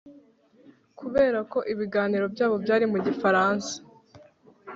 kubera ko ibiganiro byabo byari mu gifaransa